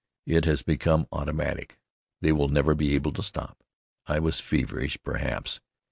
It has become automatic. They will never be able to stop." I was feverish, perhaps.